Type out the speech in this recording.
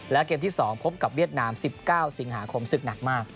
และเกมที่๒พบกับเวียดนาม๑๙สิงหาคมศึกหนักมาก